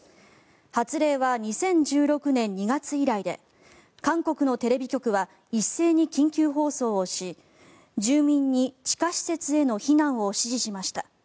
発令は２０１６年２月以来で韓国のテレビ局は一斉に緊急放送をし住民に地下施設への避難を指示しました。